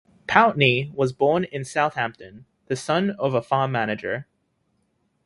Pountney was born in Southampton, the son of a farm manager.